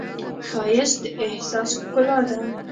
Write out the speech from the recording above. ښایست د احساس ښکلا ده